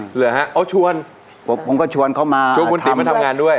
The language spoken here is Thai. เหลือนะเอาชวนผมก็ชวนเขามาทำชวนคุณติมมาทำงานด้วย